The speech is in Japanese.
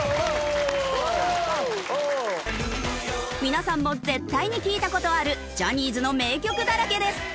皆さんも絶対に聴いた事あるジャニーズの名曲だらけです。